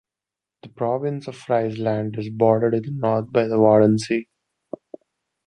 The province of Friesland is bordered in the north by the Wadden Sea.